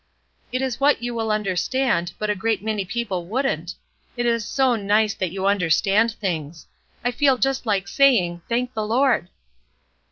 "It is what you will understand, but a great many people wouldn't. It is so nice that you understand things! I feel just like saying, 'Thank the Lord.'"